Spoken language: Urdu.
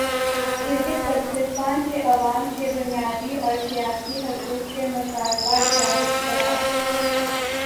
گلگت بلتستان کے عوام کے بنیادی اور سیاسی حقوق کے مطالبات جائز قرار